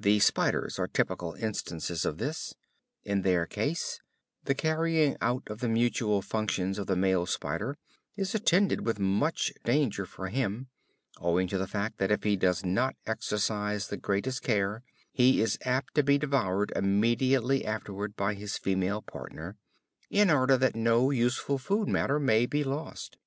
The spiders are typical instances of this: in their case the carrying out of the natural functions of the male spider is attended with much danger for him, owing to the fact that if he does not exercise the greatest care, he is apt to be devoured immediately afterward by his female partner, in order that no useful food matter may be lost.